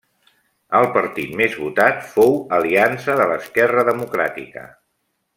El partit més votat fou Aliança de l'Esquerra Democràtica.